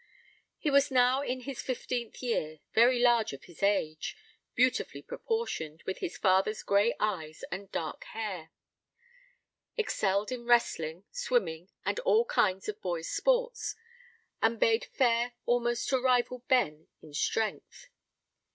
He was now in his fifteenth year, very large of his age, beautifully proportioned, with his father's gray eyes and dark hair; excelled in wrestling, swimming, and all kinds of boys' sports, and bade fair almost to rival Ben in strength.